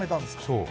そう。